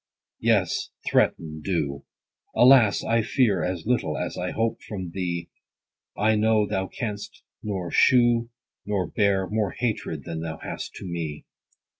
Yes, threaten, do. Alas, I fear As little, as I hope from thee : I know thou canst nor shew, nor bear More hatred, than thou hast to me.